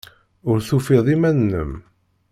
Ur tufid iman-nnem.